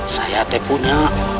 saya teh punya